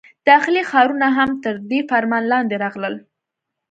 داخلي ښارونه هم تر دې فرمان لاندې راغلل.